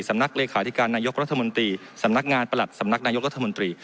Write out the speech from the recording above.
เลขาธิการนายกรัฐมนตรีสำนักงานประหลัดสำนักนายกรัฐมนตรี